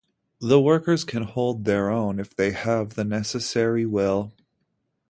The workers can hold their own if they have the necessary will.